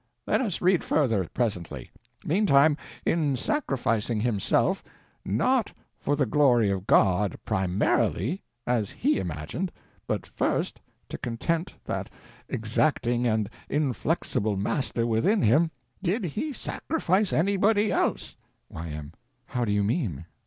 Let us read further, presently. Meantime, in sacrificing himself—not for the glory of God, primarily, as he imagined, but first to content that exacting and inflexible master within him—did he sacrifice anybody else? Y.M. How do you mean?